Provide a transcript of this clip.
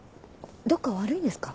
どっか悪いんですか？